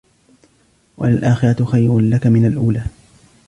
وَلَلْآخِرَةُ خَيْرٌ لَكَ مِنَ الْأُولَى